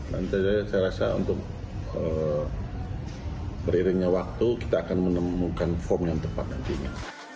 dan saya rasa untuk beriringnya waktu kita akan menemukan form yang tepat nantinya